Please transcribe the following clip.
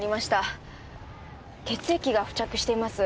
血液が付着しています。